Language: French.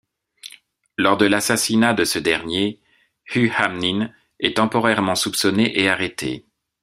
Lors de l'assassinat de ce dernier, Hu Hanmin est temporairement soupçonné et arrêté.